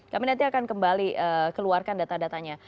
kami nanti akan kembali keluarkan data datanya